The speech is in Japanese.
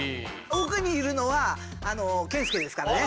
奥にいるのは健介ですからね。